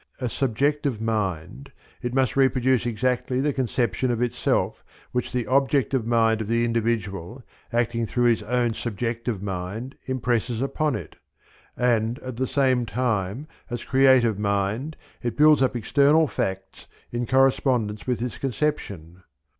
As subjective mind it must reproduce exactly the conception of itself which the objective mind of the individual, acting through his own subjective mind, impresses upon it; and at the same time as creative mind, it builds up external facts in correspondence with this conception.